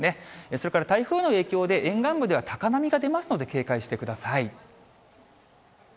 それから台風の影響で、沿岸部では高波が出ますので、警戒してください。